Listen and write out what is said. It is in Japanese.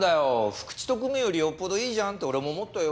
福知と組むよりよっぽどいいじゃんって俺も思ったよ。